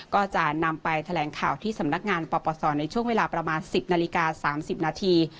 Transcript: ก็จะนำไปแถลงข่าวที่สำนักงานปปศในช่วงเวลาประมาณ๑๐นาฬิกา๓๐นาที